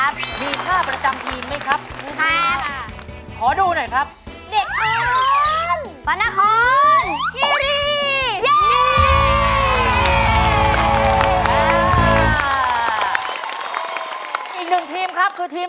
สวัสดีคะหนูน้องนโลวิสอายุแบบขวบ